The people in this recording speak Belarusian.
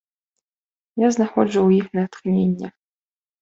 Я знаходжу ў іх натхненне.